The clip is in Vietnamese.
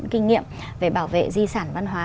kinh nghiệm về bảo vệ di sản văn hóa